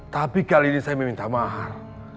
tapi kali ini saya meminta mahar